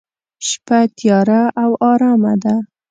شپه تیاره او ارامه ده.